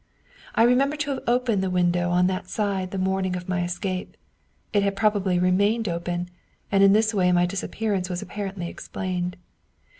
I remember to have opened the window on that side the morning of my escape; it had probably re mained open, and in this way my disappearance was apparently explained.